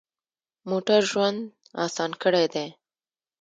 موټر ژوند اسان کړی دی.